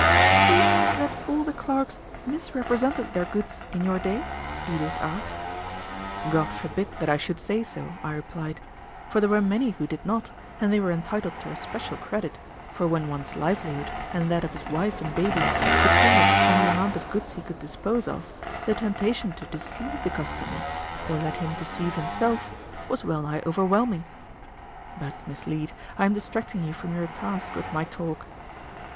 "Do you mean that all the clerks misrepresented their goods in your day?" Edith asked. "God forbid that I should say so!" I replied, "for there were many who did not, and they were entitled to especial credit, for when one's livelihood and that of his wife and babies depended on the amount of goods he could dispose of, the temptation to deceive the customer or let him deceive himself was wellnigh overwhelming. But, Miss Leete, I am distracting you from your task with my talk."